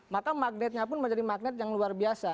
maka magnetnya pun menjadi magnet yang luar biasa